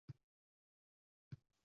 Ey sen, keksa dunyo! Tiriksan, omon